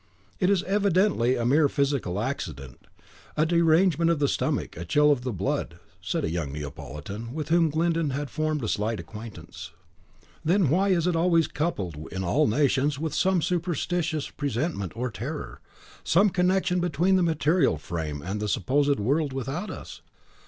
"It is evidently a mere physical accident, a derangement of the stomach, a chill of the blood," said a young Neapolitan, with whom Glyndon had formed a slight acquaintance. "Then why is it always coupled in all nations with some superstitious presentiment or terror, some connection between the material frame and the supposed world without us?